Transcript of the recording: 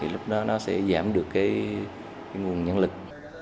lúc đó nó sẽ giảm được nguồn nhân lực